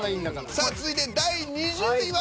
さあ続いて第２０位は？